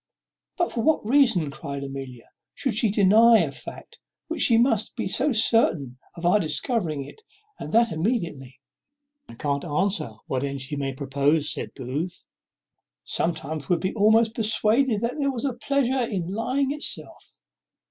"But for what reason," cries Amelia, "should she deny a fact, when she must be so certain of our discovering it, and that immediately?" "I can't answer what end she may propose," said Booth. "Sometimes one would be almost persuaded that there was a pleasure in lying itself.